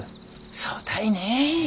そうたいね。